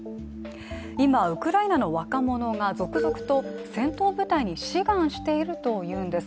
今、ウクライナの若者が続々と戦闘部隊に志願しているというんです。